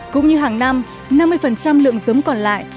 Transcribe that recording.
cũng như hàng năm năm mươi lượng giống còn lại